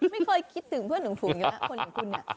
ไม่เคยคิดถึงเพื่อนหนึ่งฝูงอยู่นะคนอย่างคุณ